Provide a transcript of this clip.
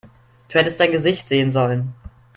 Du hättest dein Gesicht sehen sollen!